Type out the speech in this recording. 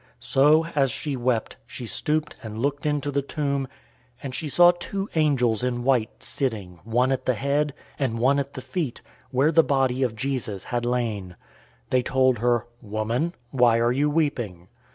So, as she wept, she stooped and looked into the tomb, 020:012 and she saw two angels in white sitting, one at the head, and one at the feet, where the body of Jesus had lain. 020:013 They told her, "Woman, why are you weeping?"